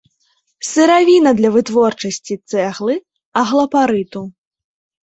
Сыравіна для вытворчасці цэглы, аглапарыту.